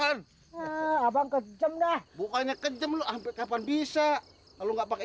kalau salah banget abang kejam dah bukannya kejam lu hampir kapan bisa kalau enggak pakai